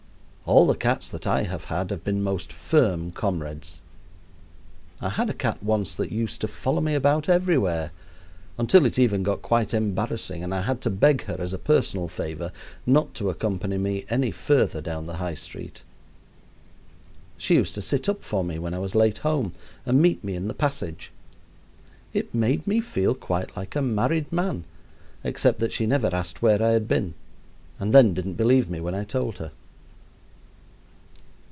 All the cats that I have had have been most firm comrades. I had a cat once that used to follow me about everywhere, until it even got quite embarrassing, and I had to beg her, as a personal favor, not to accompany me any further down the High Street. She used to sit up for me when I was late home and meet me in the passage. It made me feel quite like a married man, except that she never asked where I had been and then didn't believe me when I told her.